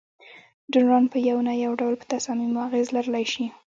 ډونران په یو نه یو ډول په تصامیمو اغیز لرلای شي.